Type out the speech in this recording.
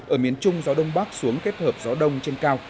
ở miền trung gió đông bắc xuống kết hợp gió đông trên cao